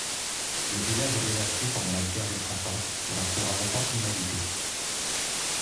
Le village est dévasté pendant la Guerre de Trente Ans et restera longtemps inhabité.